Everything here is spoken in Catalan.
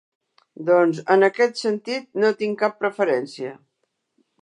Doncs, en aquest sentit, no tinc cap preferència.